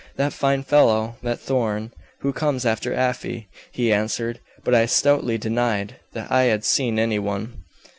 'That fine fellow, that Thorn, who comes after Afy,' he answered, but I stoutly denied that I had seen any one.